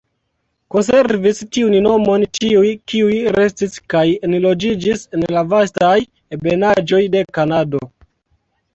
Konservis tiun nomon tiuj, kiuj restis kaj enloĝiĝis en la vastaj ebenaĵoj de Kanado.